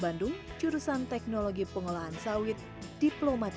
bandung jurusan teknologi pengolahan sawit diploma tiga